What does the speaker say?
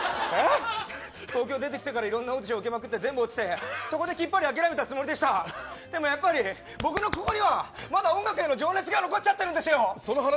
東京に出てきてからいろんなオーディション受けて全部落ちまくってきっぱり諦めたつもりででもやっぱり僕のここにはまだ音楽への情熱が残っちゃってるんですよ。